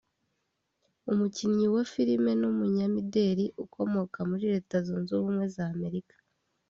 umukinnyi wa Film ndetse n’umunyamideli ukomoka muri Leta Zunze Ubumwe za Amerika